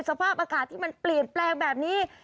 สภาพอากาศที่มันเปลี่ยนแปลงแบบนี้